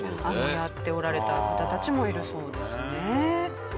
やっておられた方たちもいるそうですね。